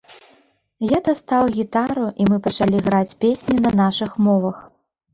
Я дастаў гітару, і мы пачалі граць песні на нашых мовах.